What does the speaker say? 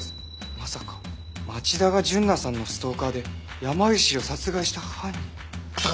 まさか町田が純奈さんのストーカーで山岸を殺害した犯人？